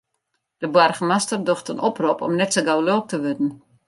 De boargemaster docht in oprop om net sa gau lulk te wurden.